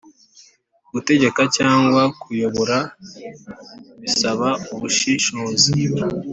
gutegeka cyangwa kuyobora bisaba ubushishozi